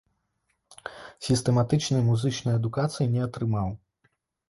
Сістэматычнай музычнай адукацыі не атрымаў.